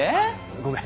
ごめん。